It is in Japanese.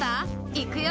いくよ！